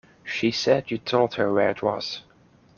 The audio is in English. She said you told her where it was.